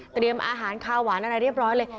อาหารคาวหวานอะไรเรียบร้อยเลย